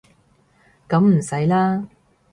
噉唔使啦